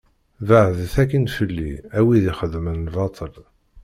Beɛdet akkin fell-i, a wid i xeddmen lbaṭel.